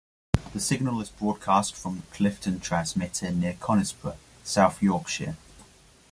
The signal is broadcast from the Clifton transmitter, near Conisbrough, South Yorkshire.